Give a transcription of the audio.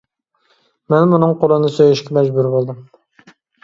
مەنمۇ ئۇنىڭ قولىنى سۆيۈشكە مەجبۇر بولدۇم.